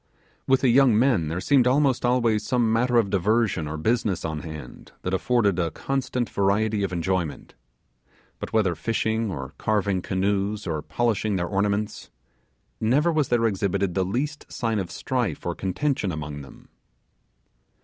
With the young men there seemed almost always some matter of diversion or business on hand that afforded a constant variety of enjoyment. But whether fishing, or carving canoes, or polishing their ornaments, never was there exhibited the least sign of strife or contention among them.